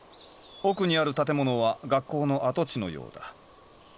奥にある建物は学校の跡地のようだ。